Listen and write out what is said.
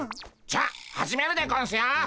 じゃあ始めるでゴンスよ！